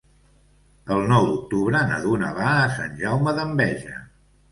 El nou d'octubre na Duna va a Sant Jaume d'Enveja.